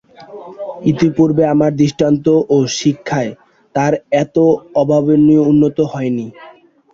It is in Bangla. ইতিপূর্বে আমার দৃষ্টান্ত ও শিক্ষায় তার এত অভাবনীয় উন্নতি হয় নি।